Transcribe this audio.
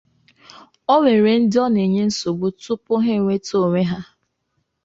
o nwere ndị ọ na-enye nsogbu. Tupu ha enweta onwe ha